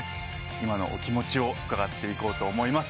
今のお気持ちを伺っていこうと思います。